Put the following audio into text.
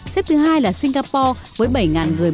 xếp thứ hai là singapore với bảy người một km hai